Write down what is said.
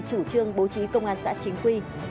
chủ trương bố trí công an xã chính quy